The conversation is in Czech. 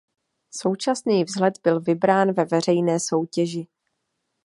Současný vzhled byl vybrán ve veřejné soutěži.